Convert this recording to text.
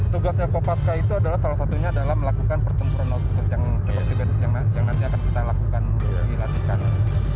tugasnya kopaska itu adalah salah satunya adalah melakukan pertempuran laut khusus yang nanti akan kita lakukan dilatihkan